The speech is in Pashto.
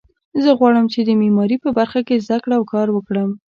زه غواړم چې د معماري په برخه کې زده کړه او کار وکړم